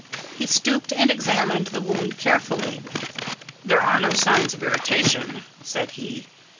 He stooped and examined the wound carefully. "There are no signs of irritation," said he.